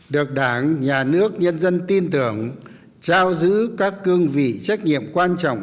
được đảng nhà nước nhân dân tin tưởng trao giữ các cương vị trách nhiệm quan trọng